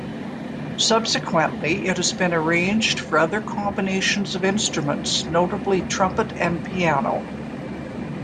Subsequently it has been arranged for other combinations of instruments, notably trumpet and piano.